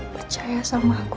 percaya sama aku